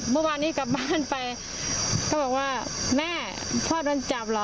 เมื่อวานนี้กลับบ้านไปเขาบอกว่าแม่พ่อโดนจับเหรอ